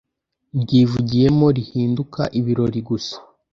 Ndyivugiyemo rihinduka ibirori gusa